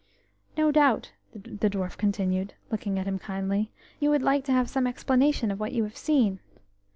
O doubt," the dwarf continued, looking at him kindly, "you would like to have some explanation of what you have seen....